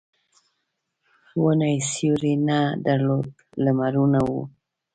ونې سیوری نه درلود لمرونه وو.